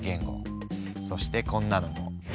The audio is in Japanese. そしてこんなのも。